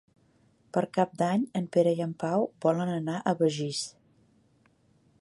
Per Cap d'Any en Pere i en Pau volen anar a Begís.